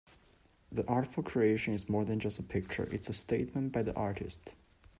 This artful creation is more than just a picture, it's a statement by the artist.